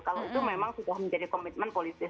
kalau itu memang sudah menjadi komitmen politik